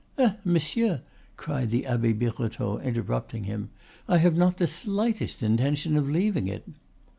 "Eh! monsieur," cried the Abbe Birotteau, interrupting him, "I have not the slightest intention of leaving it."